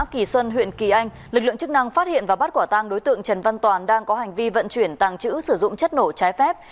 kỳ xuân huyện kỳ anh lực lượng chức năng phát hiện và bắt quả tang đối tượng trần văn toàn đang có hành vi vận chuyển tàng trữ sử dụng chất nổ trái phép